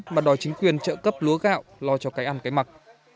mà đòi chính quyền trợ cấp lúa gạo lo cho cái ăn cái mặc